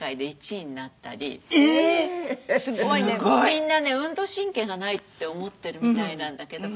みんなね運動神経がないって思ってるみたいなんだけど。